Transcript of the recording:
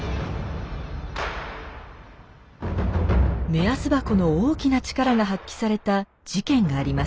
目安箱の大きな力が発揮された事件があります。